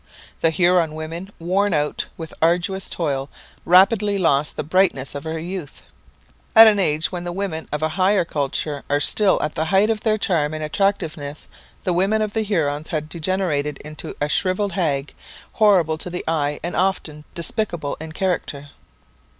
The Huron woman, worn out with arduous toil, rapidly lost the brightness of her youth. At an age when the women of a higher culture are still at the height of their charm and attractiveness the woman of the Hurons had degenerated into a shrivelled hag, horrible to the eye and often despicable in character.